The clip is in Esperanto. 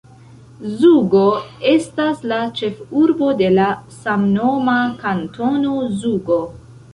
Zugo estas la ĉefurbo de la samnoma Kantono Zugo.